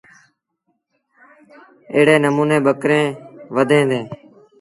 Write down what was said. ايڙي نموٚني ٻڪريݩ وڌيٚن ديٚݩ۔